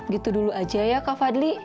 gitu dulu aja ya kak fadli